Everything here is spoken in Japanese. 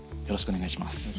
よろしくお願いします。